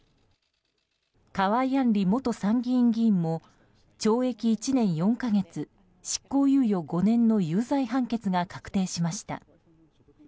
河井案里元参議院議員も懲役１年４か月執行猶予５年の有罪判決が確定しました。